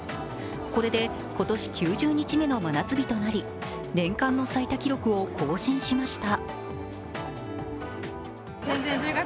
これで今年９０日目の真夏日となり年間の最多記録を更新しました。